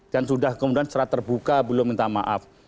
dan sudah kemudian secara terbuka belum minta maaf